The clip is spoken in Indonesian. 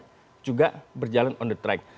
dan kita juga harus berjalan on the track